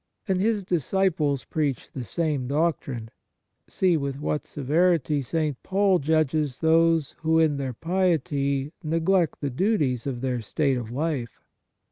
And His disciples preach the same doctrine. See with what severity St. Paul judges those who, in their piety, neglect the duties of their state of life.